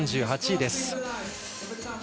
４８位です。